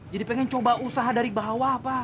jadi pengen coba usaha dari bawah pa